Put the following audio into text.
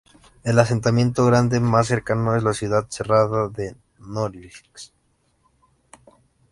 El asentamiento grande más cercano es la ciudad cerrada de Norilsk.